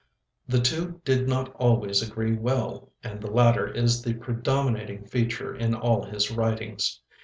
The two did not always agree well, and the latter is the predominating feature in all his writings.